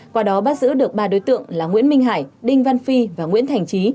qua đó bắt giữ được ba đối tượng là nguyễn minh hải đinh văn phi và nguyễn thành trí